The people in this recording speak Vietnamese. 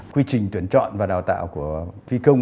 quy trình tuyển chọn và đào tạo của phi công